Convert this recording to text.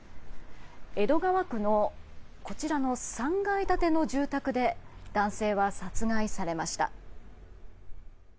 江戸川区のこちらの３階建ての住宅で男性は殺害されました。